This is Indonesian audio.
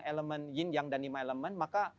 elemen yin yang dan lima elemen maka